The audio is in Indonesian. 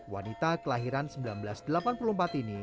wanita kelahiran seribu sembilan ratus delapan puluh empat ini